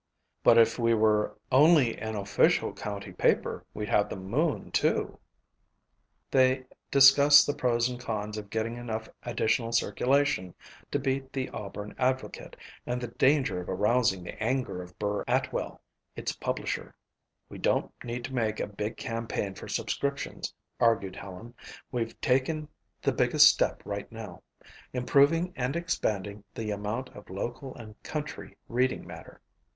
"But if we were only an official county paper we'd have the moon, too," Helen said. They discussed the pros and cons of getting enough additional circulation to beat the Auburn Advocate and the danger of arousing the anger of Burr Atwell, its publisher. "We don't need to make a big campaign for subscriptions," argued Helen. "We've taken the biggest step right now improving and expanding the amount of local and country reading matter.